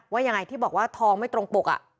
ว่ายังไงที่บอกว่าทองไม่ตรงปก